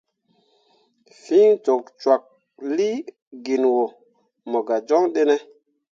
Fîi tokcwaklii gin wo mo gah joŋ ɗene ?